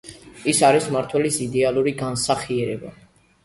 ის არის მმართველის იდეალური განსახიერება.